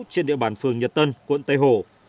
trên địa bàn phường nhật tân quận tây hồ